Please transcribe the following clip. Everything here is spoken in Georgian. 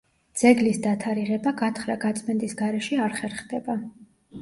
ძეგლის დათარიღება გათხრა-გაწმენდის გარეშე არ ხერხდება.